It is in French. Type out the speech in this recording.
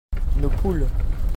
Nos poules.